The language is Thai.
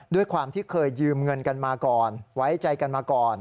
ด้วยความที่เคยยืมเงินกันมาก่อนไว้ใจกันมาก่อน